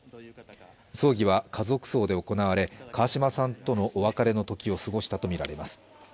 葬儀は家族葬で行われ川嶋さんとのお別れの時を過ごしたとみられます。